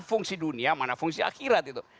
fungsi dunia mana fungsi akhirat itu